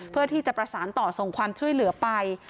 เพื่อที่จะประสานต่อส่งความช่วยเหลือไป